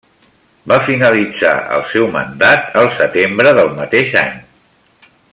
Va finalitzar el seu mandat al setembre del mateix any.